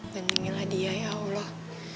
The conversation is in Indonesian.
dan ingin hadiah ya allah